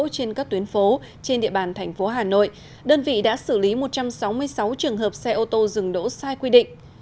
trên các tuyến phố trên địa bàn thành phố hà nội đơn vị đã xử lý một trăm sáu mươi sáu trường hợp xe ô tô dừng đỗ sai quy định